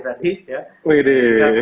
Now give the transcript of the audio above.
satu sekali tadi